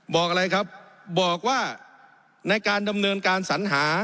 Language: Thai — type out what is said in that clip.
บอกอะไรครับบอกว่าในการดำเนินการสัญหา